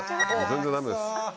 全然ダメです。